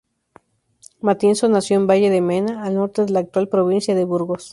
Matienzo nació en Valle de Mena, al norte de la actual provincia de Burgos.